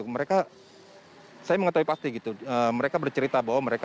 mereka saya mengetahui pasti gitu mereka bercerita bahwa mereka